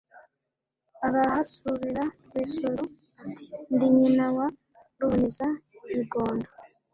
Arahasubira RweseroAti: ndi nyina wa Ruboneza-bigondo